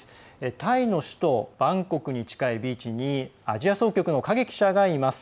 タイの首都バンコクに近いビーチにアジア総局の影記者がいます。